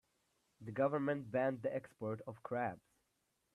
The government banned the export of crabs.